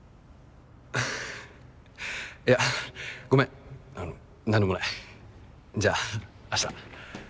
いやごめん何でもない。じゃあ明日。